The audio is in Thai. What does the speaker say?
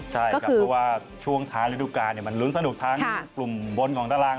ใช่ครับเพราะว่าช่วงท้ายฤดูกาลมันลุ้นสนุกทั้งกลุ่มบนของตาราง